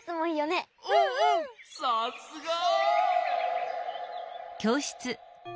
さすが！